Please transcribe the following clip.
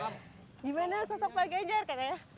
gimana sosok pak ganjar katanya